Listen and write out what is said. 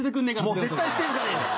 もう絶対捨てんじゃねえよ